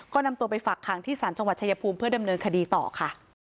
ก็นำตัวไปฝักขังที่ศาลจังหวัดชายภูมิเพื่อดำเนินคดีต่อค่ะ